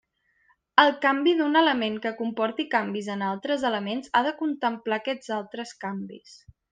El canvi d'un element que comporti canvis en altres elements ha de contemplar aquests altres canvis.